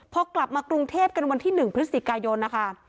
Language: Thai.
พอกลับมากรุงเทพกันวันที่๑พฤศจิกายนนะคะ